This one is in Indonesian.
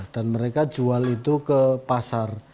dan mereka jual itu ke pasar